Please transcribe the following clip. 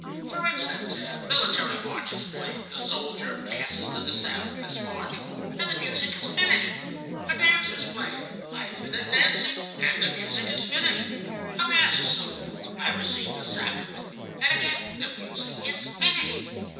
For instance, a military march is played; the soldier passes to the sound of this march, and the music is finished. A dance is played; I have finished dancing, and the music is finished. A mass is sung; I receive the sacrament, and again the music is finished.